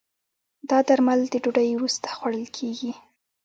دا درمل د ډوډی وروسته خوړل کېږي.